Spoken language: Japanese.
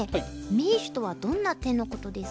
名手とはどんな手のことですか？